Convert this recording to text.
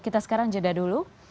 kita sekarang jeda dulu